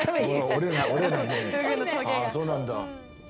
ああそうなんだ。